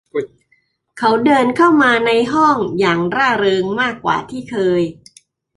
เขาเดินเข้ามาในห้องอย่างร่าเริงมากกว่าที่เคย